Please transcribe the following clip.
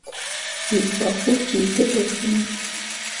Wǝ ɗwak wo ki te ɓu fine ?